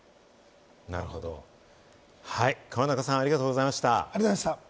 なるほど、河中さん、ありがとうございました。